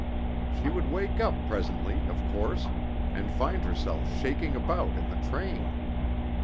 She would wake up presently, of course, and find herself shaking about in the train.